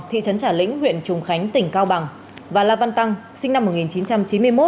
thị trấn trà lĩnh huyện trùng khánh tỉnh cao bằng và la văn tăng sinh năm một nghìn chín trăm chín mươi một